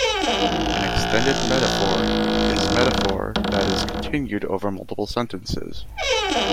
An extended metaphor is metaphor that is continued over multiple sentences.